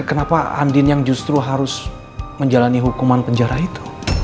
kenapa andin yang justru harus menjalani hukuman penjara itu